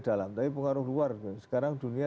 dalam tapi pengaruh luar sekarang dunia